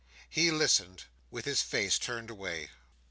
He listening, with his face turned away.